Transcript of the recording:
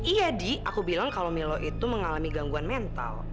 iya di aku bilang kalau milo itu mengalami gangguan mental